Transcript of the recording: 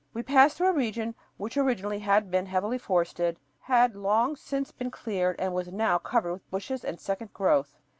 We passed through a region which originally had been heavily forested, had long since been cleared, and was now covered with bushes and second growth.